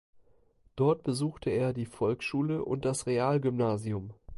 Dort besuchte er die Volksschule und das Realgymnasium.